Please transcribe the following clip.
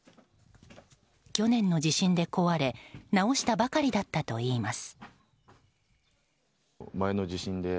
去年の地震で壊れ直したばかりだったといいます。